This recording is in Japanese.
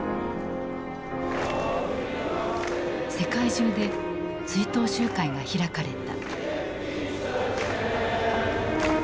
世界中で追悼集会が開かれた。